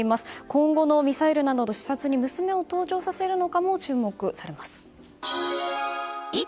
今後のミサイルなどの視察に娘を登場させるかどうかも注目されます。